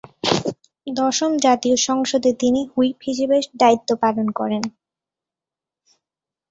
দশম জাতীয় সংসদে তিনি হুইপ হিসেবে দায়িত্ব পালন করেন।